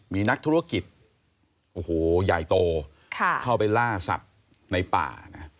มีนักธุรกิจโอ้โหใหญ่โตเข้าไปล่าสัตว์ในป่านะ